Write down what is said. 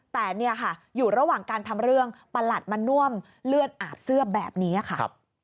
แต่เนี่ยค่ะอยู่ระหว่างการทำเรื่องประหลัดมาน่วมเลือดอาบเสื้อแบบนี้ค่ะ